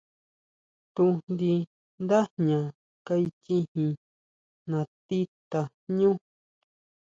Tujndi nda jña kaichijin nati tajñú.